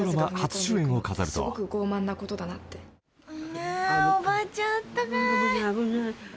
「ねえおばあちゃんあったかーい」